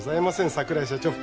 桜井社長